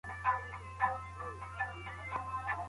له روزني پرته د ماشوم ذهن نه روښانه کېږي.